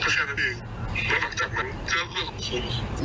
ก็เขียนได้ดีแล้วหลังจากนั้นเจอเรื่องของคุณ